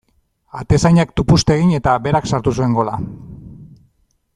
Atezainak tupust egin eta berak sartu zuen gola.